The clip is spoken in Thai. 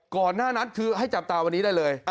ก่อนหน้านั้นคือให้จับตาวันนี้ได้เลย